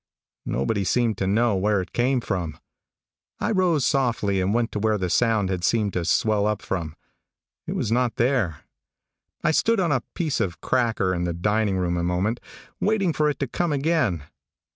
Nobody seemed to know where it came from. I rose softly and went to where the sound had seemed to well up from. It was not there. I stood on a piece of cracker in the diningroom a moment, waiting for it to come again.